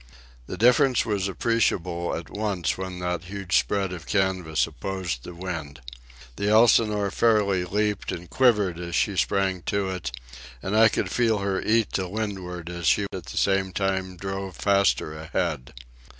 The difference was appreciable at once when that huge spread of canvas opposed the wind. The Elsinore fairly leaped and quivered as she sprang to it, and I could feel her eat to windward as she at the same time drove faster ahead.